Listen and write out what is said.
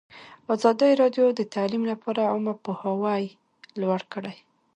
ازادي راډیو د تعلیم لپاره عامه پوهاوي لوړ کړی.